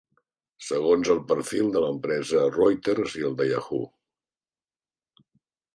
Segons el perfil de l'empresa Reuters i el de Yahoo!